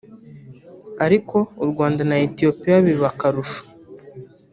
ariko u Rwanda na Ethiopia biba akarusho